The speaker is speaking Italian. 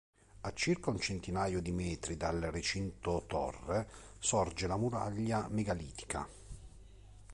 A circa un centinaio di metri dal recinto-torre sorge la muraglia megalitica.